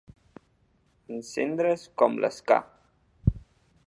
Encendre's com l'esca.